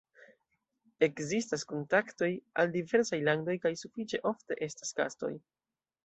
Ekzistas kontaktoj al diversaj landoj kaj sufiĉe ofte estas gastoj.